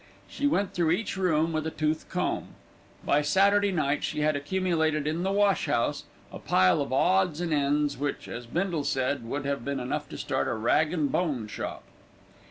She went through each room with a toothcomb. By Saturday night, she had accumulated in the wash house, a pile of odds and ends which, as Bindle said, would have been enough to start a rag and bone shop.